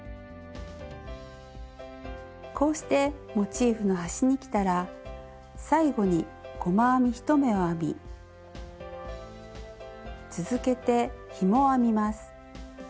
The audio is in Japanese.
こうしてモチーフの端にきたら最後に細編み１目を編み続けてひもを編みます。